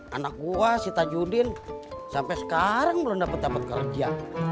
anak gua sita judin sampai sekarang belum dapat dapat kerja